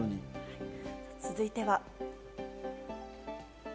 続いては。